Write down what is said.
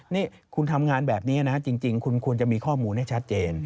นี่คุณทำงานแบบนี้นะจริงคุณควรจะมีข้อมูลให้ชัดเจน